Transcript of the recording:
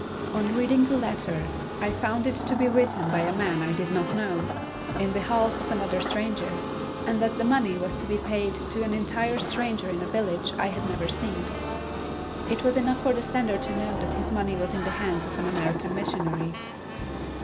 On reading the letter I found it to be written by a man I did not know, in behalf of another stranger, and that the money was to be paid to an entire stranger in a village I had never seen. It was enough for the sender to know that his money was in the hands of an American missionary.